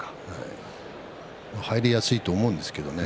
入りやすいと思うんですけどもね。